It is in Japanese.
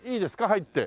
入って。